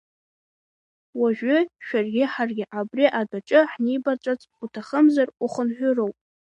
Уажәы шәаргьы ҳаргьы абри адәаҿы ҳнибарҵәарц уҭахымзар, ухынҳәыроуп!